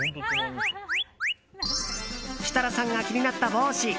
設楽さんが気になった帽子。